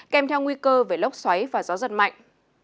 kèm theo nguy cơ về lốc xoáy và gió giật mạnh